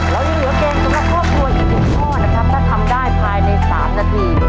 แล้วยังเหลือเกมต่อครอบครัวอีกสองข้อนะครับถ้าทำได้ภายในสามนาที